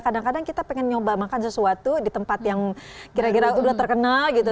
kadang kadang kita pengen nyoba makan sesuatu di tempat yang kira kira udah terkenal gitu